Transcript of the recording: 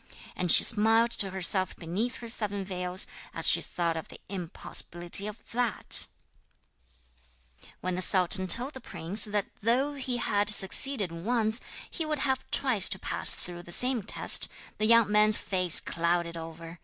And she smiled to herself beneath her seven veils as she thought of the impossibility of that. When the sultan told the prince that though he had succeeded once, he would have twice to pass through the same test, the young man's face clouded over.